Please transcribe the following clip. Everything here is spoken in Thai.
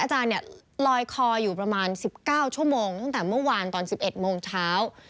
อาจารย์ลอยคออยู่ประมาณ๑๙ชั่วโมงตั้งแต่เมื่อวานตอน๑๑โมงเช้า